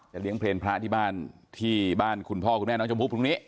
จะเลี้ยงเพลงพระที่บ้านคุณพ่อคุณแม่น้องชมพูด้วย